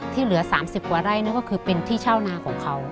เหลือ๓๐กว่าไร่นั่นก็คือเป็นที่เช่านาของเขา